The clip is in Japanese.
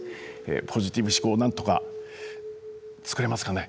ポジティブ思考をなんとか作れますかね。